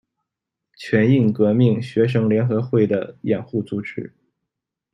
全印革命学生联合会的掩护组织。